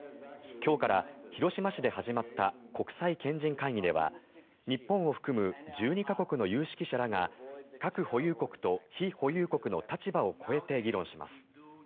今日から広島市で始まった国際賢人会議では日本を含む１２か国の有識者らが核保有国と非保有国の立場を超えて議論します。